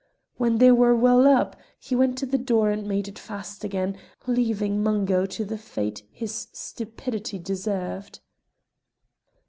When they were well up, he went to the door and made it fast again, leaving Mungo to the fate his stupidity deserved.